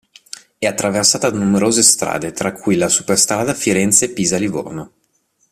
È attraversata da numerose strade tra cui la superstrada Firenze-Pisa-Livorno.